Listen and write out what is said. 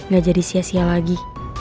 gak jadi sia sia lagi